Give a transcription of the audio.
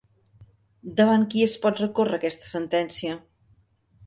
Davant qui es pot recórrer aquesta sentència?